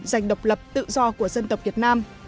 giành độc lập tự do của dân tộc việt nam